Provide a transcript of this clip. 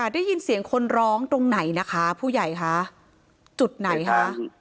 ได้ยินเสียงคนร้องตรงไหนนะคะผู้ใหญ่คะจุดไหนคะ